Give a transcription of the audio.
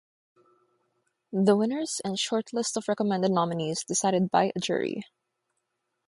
The winners and short list of recommended nominees decided by a jury.